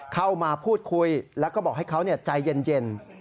เข้ามาพูดคุยแล้วก็บอกให้เขาใจเย็น